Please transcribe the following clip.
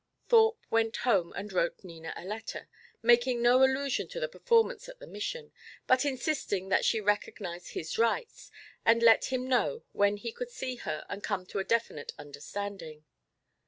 Thorpe went home and wrote Nina a letter, making no allusion to the performance at the Mission, but insisting that she recognise his rights, and let him know when he could see her and come to a definite understanding.